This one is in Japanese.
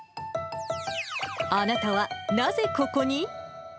あなたはなぜここに？